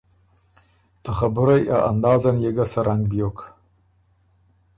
ته خبُرئ ا اندازن يې ګه سۀ رنګ بیوک